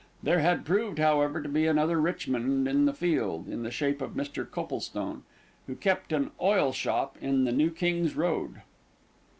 There had proved, however, to be another Richmond in the field, in the shape of Mr. Coplestone, who kept an oil shop in the New King's Road.